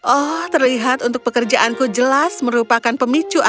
oh terlihat untuk pekerjaanku jelas merupakan pemicu apa